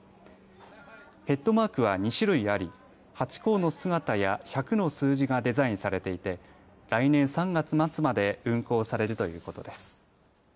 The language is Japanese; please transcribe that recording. ヘッドマークは２種類ありハチ公の姿や、１００の数字がデザインされていて来年３月末まで運行されるということです。